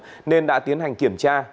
nguyễn thanh hoài đã tiến hành kiểm tra